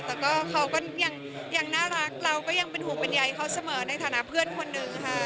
แต่ก็เขาก็ยังน่ารักเราก็ยังเป็นห่วงเป็นใยเขาเสมอในฐานะเพื่อนคนหนึ่งค่ะ